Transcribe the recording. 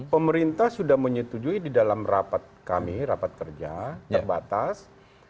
pemerintah sudah menyetujui di dalam rapat kami rapat kerja terbatas